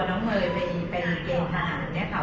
น้องเมย์ไปแบบเกณฑ์ผักหานะครับ